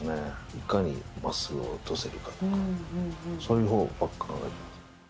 いかに真っすぐ落とせるかとかそういう方ばっか考えてます。